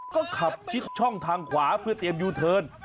ก็ขับชิดช่องทางขวาเพื่อเตรียมยูเทิร์น